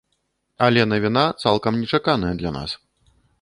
Але навіна цалкам нечаканая для нас.